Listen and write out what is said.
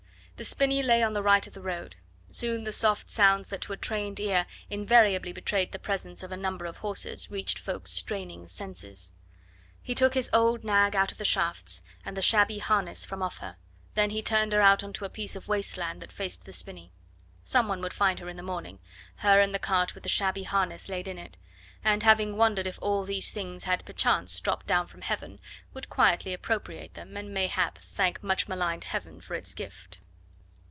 The spinney lay on the right of the road. Soon the soft sounds that to a trained ear invariably betray the presence of a number of horses reached Ffoulkes' straining senses. He took his old nag out of the shafts, and the shabby harness from off her, then he turned her out on the piece of waste land that faced the spinney. Some one would find her in the morning, her and the cart with the shabby harness laid in it, and, having wondered if all these things had perchance dropped down from heaven, would quietly appropriate them, and mayhap thank much maligned heaven for its gift.